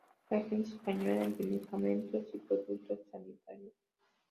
Agencia española de medicamentos y productos sanitarios.